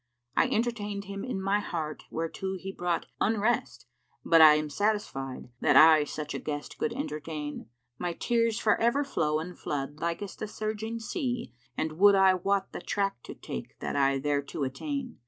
I entertained him in my heart whereto he brought unrest * But I am satisfied that I such guest could entertain. My tears for ever flow and flood, likest the surging sea * And would I wot the track to take that I thereto attain.